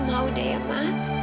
mau deh ya ma